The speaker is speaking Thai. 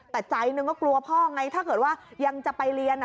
แต่ใจหนึ่งก็กลัวพ่อไงถ้าเกิดว่ายังจะไปเรียน